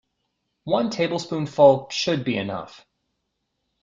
One tablespoonful should be enough.